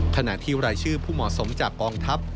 ขณะที่รายชื่อผู้เหมาะสมจากกองทัพ